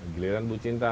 giliran bu cinta